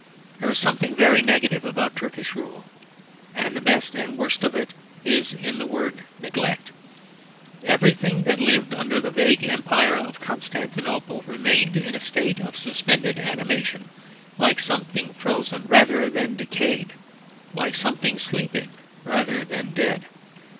There is something very negative about Turkish rule; and the best and worst of it is in the word neglect. Everything that lived under the vague empire of Constantinople remained in a state of suspended animation like something frozen rather than decayed, like something sleeping rather than dead.